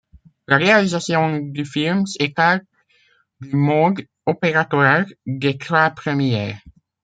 La réalisation du film s'écarte du mode opératoire des trois premiers '.